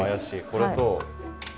これと。